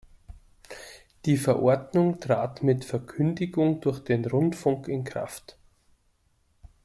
Die Verordnung trat mit Verkündung durch den Rundfunk in Kraft.